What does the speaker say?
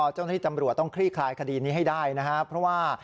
เจ้าหน้าที่ตำรวจต้องคลี่คลายคดีนี้ให้ได้นะครับเพราะว่า